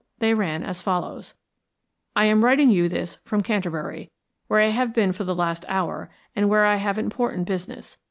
They ran as follows "I am writing you this from Canterbury, where I have been for the last hour, and where I have important business.